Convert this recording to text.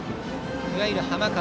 いわゆる浜風。